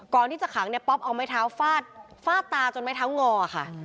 ก่อนที่จะขังเนี่ยป๊อปเอาไม้เท้าฟาดฟาดตาจนไม้เท้างอค่ะ